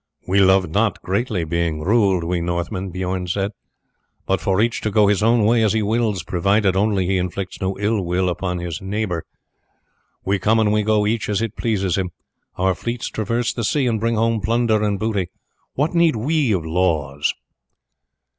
"We love not greatly being ruled, we Northmen," Bijorn said, "but for each to go his own way as he wills, provided only he inflicts no ill upon his neighbour. We come and we go each as it pleases him. Our fleets traverse the sea and bring home plunder and booty. What need we of laws?"